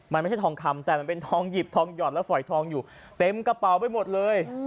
มันไม่ใช่ทองคำแต่มันเป็นทองหยิบทองหยอดและฝอยทองอยู่เต็มกระเป๋าไปหมดเลย